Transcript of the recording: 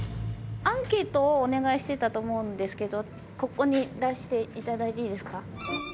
アンケートをお願いしてたと思うんですけど、ここに出していただいていいですか。